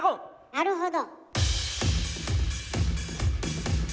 なるほど。